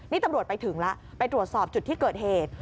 นี่ตำรวจไปถึงแล้วไปตรวจสอบจุดที่เกิดเหตุ